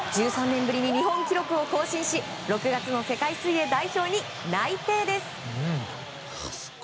１３年ぶりに日本記録を更新し６月の世界水泳代表に内定です。